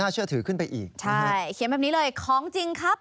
ใช่เขียนแบบนี้เลยของจริงครับ